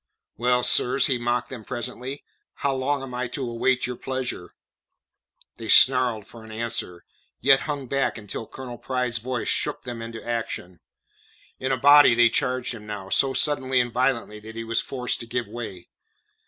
"Well, sirs," he mocked them presently. "How long am I to await your pleasure?" They snarled for answer, yet hung back until Colonel Pride's voice shook them into action. In a body they charged him now, so suddenly and violently that he was forced to give way.